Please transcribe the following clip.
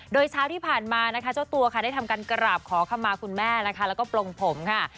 โดยเช้าที่ผ่านมาเจ้าตัวได้ทำการกราบขอขมาคุณแม่แล้วก็ปลงผม